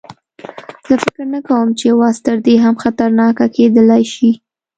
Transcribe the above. زه فکر نه کوم چې وضع تر دې هم خطرناکه کېدلای شي.